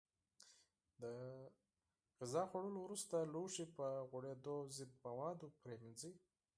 د غذا خوړلو وروسته لوښي په غوړیو ضد موادو پرېمنځئ.